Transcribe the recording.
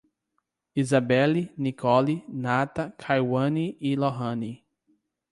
Izabeli, Nicolle, Nata, Cauani e Lorrany